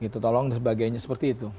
tolong dan sebagainya seperti itu